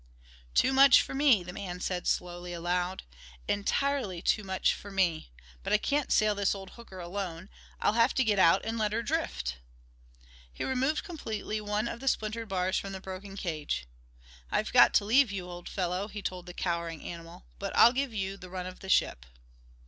"Too much for me," the man said slowly, aloud; "entirely too much for me! But I can't sail this old hooker alone; I'll have to get out and let her drift." He removed completely one of the splintered bars from the broken cage. "I've got to leave you, old fellow," he told the cowering animal, "but I'll give you the run of the ship."